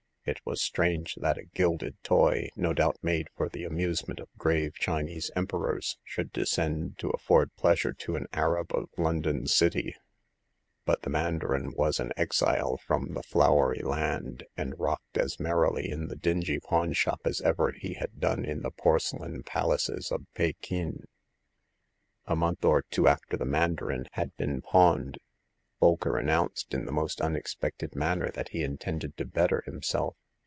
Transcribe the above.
It was strange that a gilded toy, no doubt made for the amusement of grave Chinese Emperors, should descend to afford pleasure to an arab oi Loxvdow Qa\.^ • "^ns^^C^csr, 1 86 Hagar of the Pawn Shop. mandarin was an exile from the Flowery Land, and rocked as merrily in the dingy pawn shop as ever he had done in the porcelain palaces of Pekin. A month or two after the mandarin had been pawned, Bolker announced in the most unex pected manner that he intended to better him self.